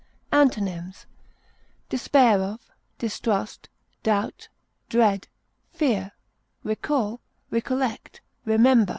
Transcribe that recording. Antonyms: despair of, doubt, dread, fear, recall, recollect, remember.